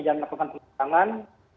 dan melakukan penentangan